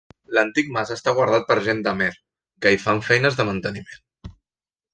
L'antic mas està guardat per gent d'Amer, que hi fan feines de manteniment.